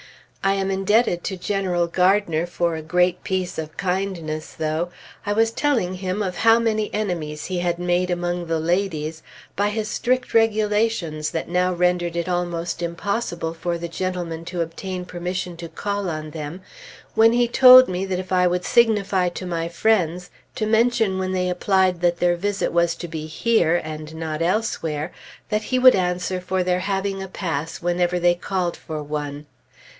I am indebted to General Gardiner for a great piece of kindness, though. I was telling him of how many enemies he had made among the ladies by his strict regulations that now rendered it almost impossible for the gentlemen to obtain permission to call on them, when he told me if I would signify to my friends to mention when they applied that their visit was to be here, and not elsewhere, that he would answer for their having a pass whenever they called for one.